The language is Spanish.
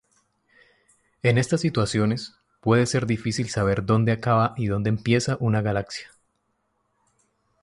En estas situaciones, puede ser difícil saber dónde acaba y dónde empieza una galaxia.